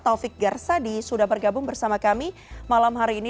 taufik gersadi sudah bergabung bersama kami malam hari ini